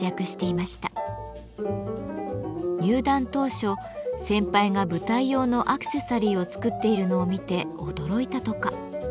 入団当初先輩が舞台用のアクセサリーを作っているのを見て驚いたとか。